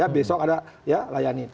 besok ada ya layanin